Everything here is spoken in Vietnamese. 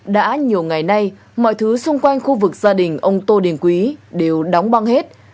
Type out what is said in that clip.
đã nhiều ngày nay mọi thứ xung quanh khu vực gia đình ông tô đình quý đều đóng băng hết